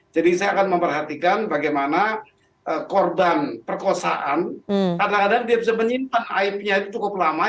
saya akan memperhatikan bagaimana korban perkosaan kadang kadang dia bisa menyimpan aibnya itu cukup lama